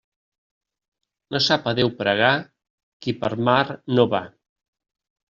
No sap a Déu pregar qui per mar no va.